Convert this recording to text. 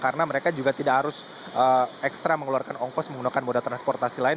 karena mereka juga tidak harus ekstra mengeluarkan ongkos menggunakan moda transportasi lain